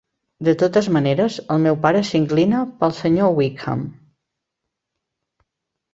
De totes maneres, el meu pare s'inclina pel Sr. Wickham.